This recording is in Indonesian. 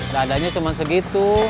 gak adanya cuma segitu